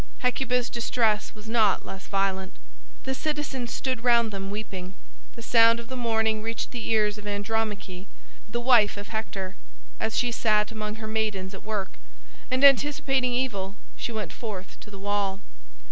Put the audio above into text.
Hecuba's distress was not less violent. The citizens stood round them weeping. The sound of the mourning reached the ears of Andromache, the wife of Hector, as she sat among her maidens at work, and anticipating evil she went forth to the wall.